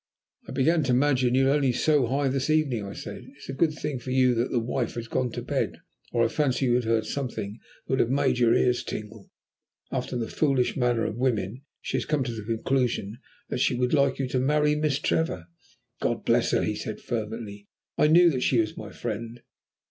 "I began to imagine you only 'so high' this evening," I said. "It's a good thing for you that the wife has gone to bed, or I fancy you would have heard something that would have made your ears tingle. After the foolish manner of women, she has come to the conclusion that she would like you to marry Miss Trevor." "God bless her!" he said fervently. "I knew that she was my friend."